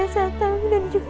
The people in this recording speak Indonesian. ayah anda beranggung